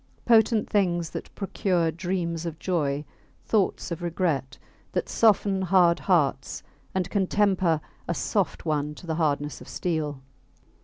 Potent things that procure dreams of joy, thoughts of regret; that soften hard hearts, and can temper a soft one to the hardness of steel.